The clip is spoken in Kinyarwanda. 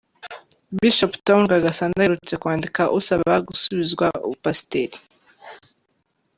Bishop Tom Rwagasana aherutse kwandika asaba gusubizwa Ubupasiteri.